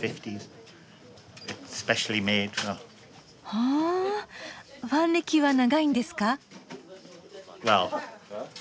ふんファン歴は長いんですか？